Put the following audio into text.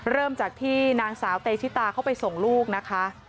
เริ่มจากที่นางสาวเตชิตาเข้าไปส่งลูกนะคะ